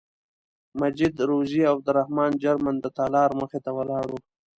مجید روزي او عبدالرحمن جرمن د تالار مخې ته ولاړ وو.